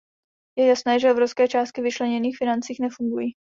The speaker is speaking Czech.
Je jasné, že obrovské částky vyčleněných financí nefungují.